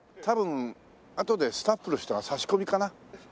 多分あとでスタッフの人が差し込みかな？